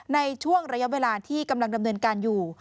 ในช่วงระยะเวลาที่กำลังดำเนินการอยู่